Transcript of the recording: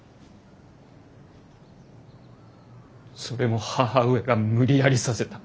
それも母上が無理やりさせた。